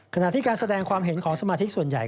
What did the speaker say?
ขณะที่การแสดงความเห็นของสมาชิกส่วนใหญ่